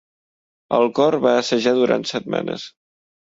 El cor va assajar durant setmanes.